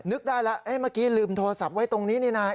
ได้แล้วเมื่อกี้ลืมโทรศัพท์ไว้ตรงนี้นี่นะ